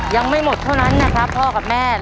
ยังไม่หมดเท่านั้นนะครับพ่อกับแม่